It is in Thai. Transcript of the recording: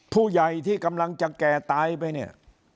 ผู้ใหญ่ที่กำลังจะแก่ตายไปเนี่ย